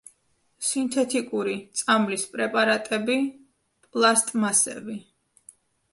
სინთეთიკური წამლის პრეპარატები, პლასტმასები.